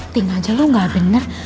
tink aja lo gak bener